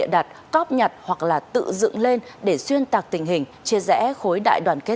cảm ơn các bạn đã theo dõi